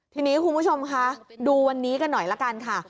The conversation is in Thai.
ทีนี้คุณผู้ชมคะดูวันนี้กันหน่อยละกันค่ะ